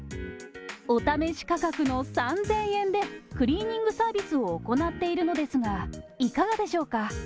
お試し価格の３０００円で、クリーニングサービスを行っているのですが、いかがでしょうか。